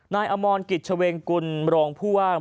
นายอมร์คนกิฤษเศวงกุลโรงพู่อ้าง